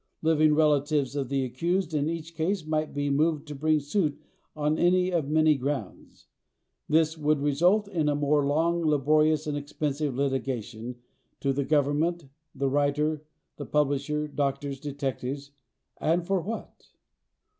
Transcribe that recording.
Living relatives of the accused in each case might be moved to bring suit on any of many grounds. This would result in more long, laborious and expensive litigation to the Government, the writer, the publisher, doctors, detectives and what not?